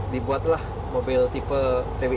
dibuatlah mobil tipe vw